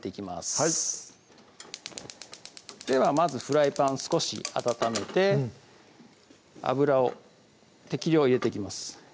はいではまずフライパン少し温めて油を適量入れていきます